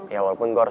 ya walaupun gue harus